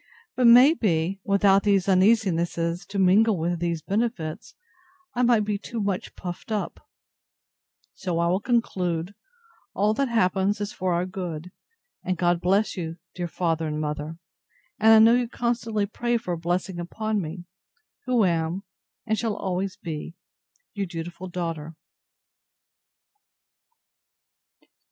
But, may be, without these uneasinesses to mingle with these benefits, I might be too much puffed up: So I will conclude, all that happens is for our good; and God bless you, my dear father and mother; and I know you constantly pray for a blessing upon me; who am, and shall always be, Your dutiful DAUGHTER.